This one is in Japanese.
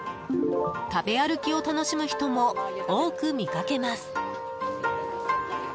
食べ歩きを楽しむ人も多く見かけます。